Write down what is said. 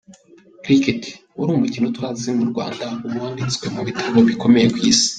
Cricket: Wari umukino utazwi mu Rwanda, ubu wanditswe mu bitabo bikomeye ku isi.